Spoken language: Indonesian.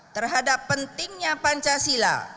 terhadap pentingnya pancasila